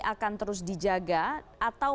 akan terus dijaga atau